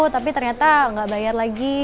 tapi ternyata nggak bayar lagi